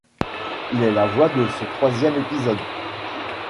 Il est la voix de ce troisième épisode.